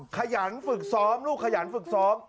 ขยันฝึกซ้อมลูกขยันฝึกซ้อม